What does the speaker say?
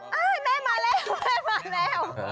แม่มาแล้วแม่มาแล้ว